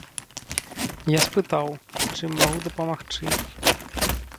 Я спытаў, чым магу дапамагчы.